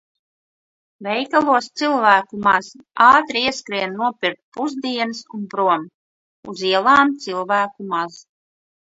Veikalos cilvēku maz. Ātri ieskrienu nopirkt pusdienas un prom. Uz ielām cilvēku maz.